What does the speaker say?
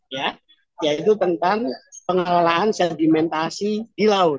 ya yaitu tentang pengelolaan sedimentasi di laut